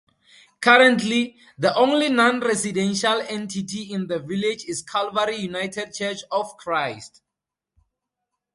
Currently, the only non-residential entity in the village is Calvary United Church of Christ.